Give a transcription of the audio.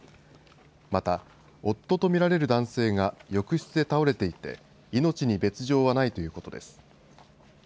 また、夫と見られる男性が浴室で倒れていて命に別状はないということです。